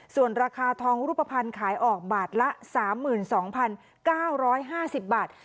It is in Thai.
ส่วนราคาทองรูปภัณฑ์ขายออกบาทละสามหมื่นสองพันเก้าร้อยห้าสิบบาท